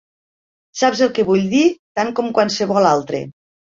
Saps el que vull dir tant com qualsevol altre.